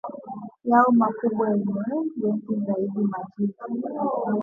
yao makubwa yenye watu wengi zaidi Majiji